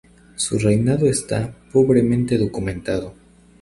Su reinado está pobremente documentado.